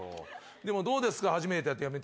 でもどうですか？